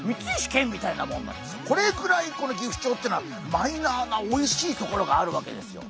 これくらいこのギフチョウっていうのはマイナーなおいしいところがあるわけですよ。